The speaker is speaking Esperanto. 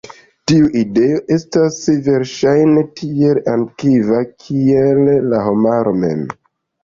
Tiu ideo estas, verŝajne, tiel antikva, kiel la homaro mem.